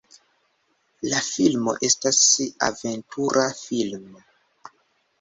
La filmo estas aventura filmo.